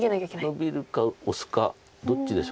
ノビるかオスかどっちでしょう。